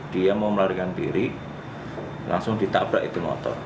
dia mau melarikan diri langsung ditabrak itu motor